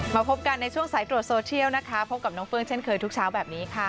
พบกันในช่วงสายตรวจโซเชียลนะคะพบกับน้องเฟื้องเช่นเคยทุกเช้าแบบนี้ค่ะ